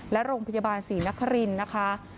และโรงพยาบาลศรีนครินทร์นะคะ